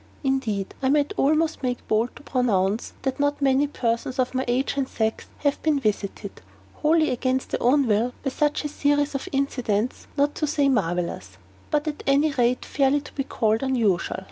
Indeed, I might almost make bold to pronounce that not many persons of my age and sex have been visited, wholly against their own will, by such a series of incidents, not to say marvelous, but at any rate fairly to be called unusual.